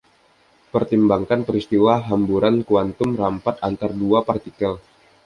Pertimbangkan peristiwa hamburan kuantum rampat antar dua partikel.